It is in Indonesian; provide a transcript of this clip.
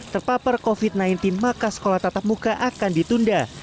terpapar covid sembilan belas maka sekolah tatap muka akan ditunda